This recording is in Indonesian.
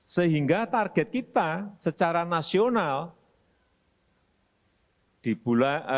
sehingga target kita secara nasional di bulan